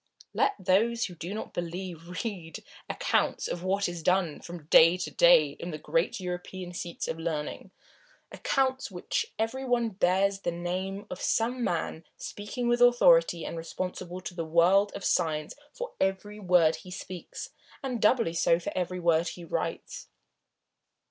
Let those who do not believe read the accounts of what is done from day to day in the great European seats of learning, accounts of which every one bears the name of some man speaking with authority and responsible to the world of science for every word he speaks, and doubly so for every word he writes.